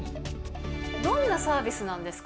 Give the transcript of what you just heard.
どんなサービスなんですか？